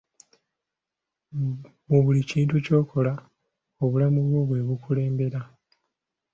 Mu buli kintu ky'okola, obulamu bwo bwe bukulembera.